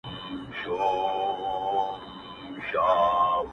لوړ دی ورگورمه، تر ټولو غرو پامير ښه دی،